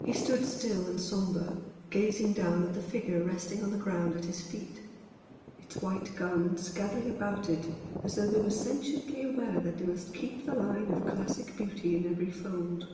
He stood still and sombre, gazing down at the figure resting on the ground at his feet, its white garments gathering about it as though they were sentiently aware that they must keep the line of classic beauty in every fold.